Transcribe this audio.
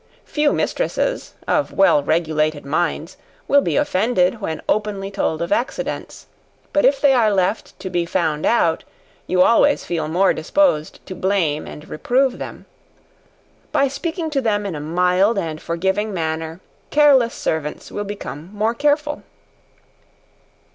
Few mistresses, of well regulated minds, will be offended when openly told of accidents; but if they are left to be found out, you always feel more disposed to blame and reprove them. By speaking to them in a mild and forgiving manner, careless servants will become more careful.